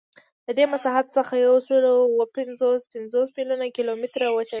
له دې مساحت څخه یوسلاوهپینځهپنځوس میلیونه کیلومتره وچه ده.